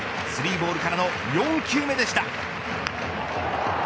３ボールからの４球目でした。